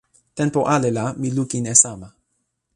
tenpo ale la mi lukin e sama.